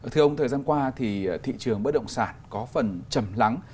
thưa ông thời gian qua thì thị trường bất động sản có phần chầm lắng